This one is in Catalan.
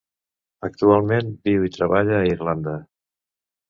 Actualment viu i treballa a Irlanda.